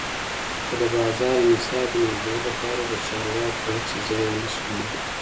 خو د بازار د انحصار د محدودولو لپاره د چارواکو هڅې ځای ونشو نیولی.